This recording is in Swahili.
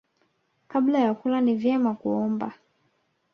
Kabla ya kula ni vyema kuomba.